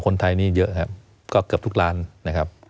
คนไทยเยอะครับก็เกิดทุกล้านครับ